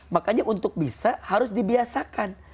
makanya untuk bisa harus dibiasakan